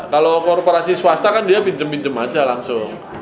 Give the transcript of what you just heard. kalau korporasi swasta kan dia pindem pinjam aja langsung